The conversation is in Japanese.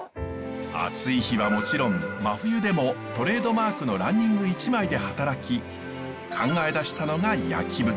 暑い日はもちろん真冬でもトレードマークのランニング一枚で働き考え出したのが焼き豚。